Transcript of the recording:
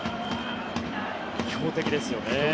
強敵ですよね。